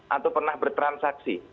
atau pernah bertransaksi